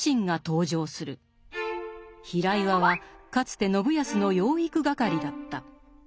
平岩はかつて信康の養育係だった。